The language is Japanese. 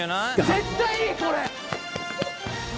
絶対いいこれ。